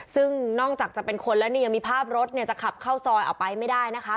ซึ่งนอกจากจะเป็นคนแล้วนี่ยังมีภาพรถเนี่ยจะขับเข้าซอยออกไปไม่ได้นะคะ